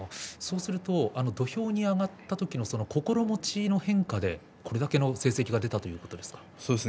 そうすると土俵に上がったときの心持ちの変化でこれだけの成績を挙げたということですか？